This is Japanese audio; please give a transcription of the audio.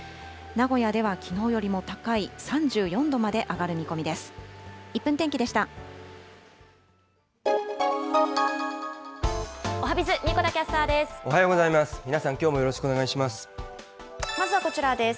名古屋ではきのうよりも高い３４度まで上がる見込みです。